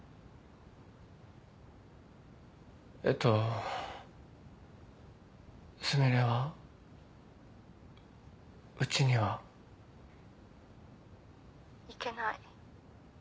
えっと純恋はうちには。行けない。